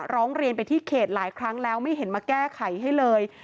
ร้องเรียนไปที่เขตหลายครั้งแล้วไม่เห็นมาแก้ไขให้เลย